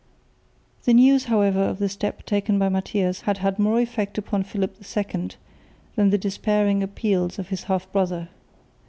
The news however of the step taken by Matthias had had more effect upon Philip II than the despairing appeals of his half brother.